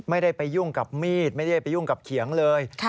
ไม่ได้ไปยุ่งกับมีดไม่ได้ไปยุ่งกับเขียงเลย